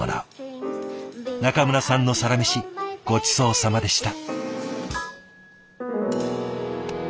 中村さんのサラメシごちそうさまでした。